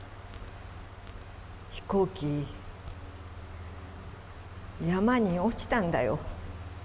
飛行機、山に落ちたんだよ。